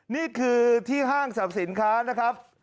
นี่คือที่ห้างสรรพสินค้านะครับ